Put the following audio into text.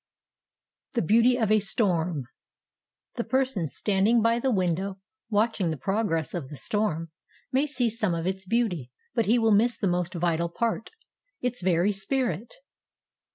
THE BEAUTY OF A STORM. The person standing by the window watching the progress of the storm may see some of its beauty, but he will miss the most vital part—its very spirit.